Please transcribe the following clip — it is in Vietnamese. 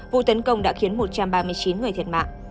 vụ tấn công đã khiến một trăm ba mươi chín người thiệt mạng